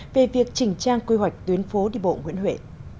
về việc chỉnh trang quy hoạch tuyến phố đi bộ nguyễn huệ